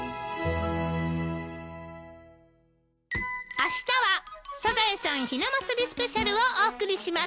あしたは『サザエさん』ひな祭りスペシャルをお送りします。